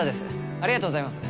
ありがとうございます。